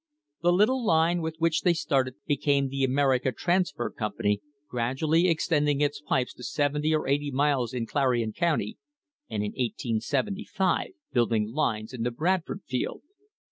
The little line with which they started became the American Trans fer Company, gradually extending its pipes to seventy or eighty miles in Clarion County, and in 1875 building lines in the Bradford Field.